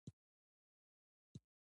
دښتې د افغانستان د اقتصاد برخه ده.